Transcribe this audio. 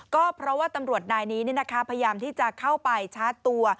ก็เพราะว่าตำรวจนายนี้พยายามที่จะเข้าไปชาร์จตัว